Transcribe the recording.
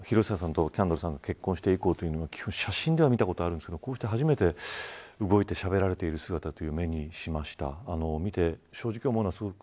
僕自身、広末さんとキャンドルさんとの結婚式以降写真では見たことがあるんですがこうした初めて動いてしゃべられている姿を目にしました。